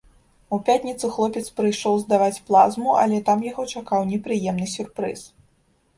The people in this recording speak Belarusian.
У пятніцу хлопец прыйшоў здаваць плазму, але там яго чакаў непрыемны сюрпрыз.